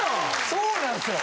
そうなんですよ。